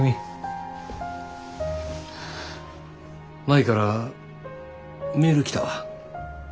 舞からメール来たわ。